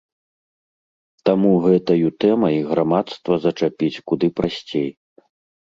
Таму гэтаю тэмай грамадства зачапіць куды прасцей.